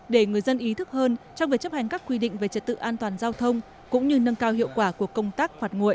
để người dân ý thức hơn trong việc chấp hành các quy định về trật tự an toàn giao thông cũng như nâng cao hiệu quả của công tác phạt nguộ